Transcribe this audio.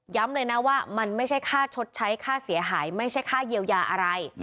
เลยนะว่ามันไม่ใช่ค่าชดใช้ค่าเสียหายไม่ใช่ค่าเยียวยาอะไร